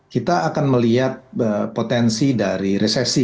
kita akan melihat potensi dari resesi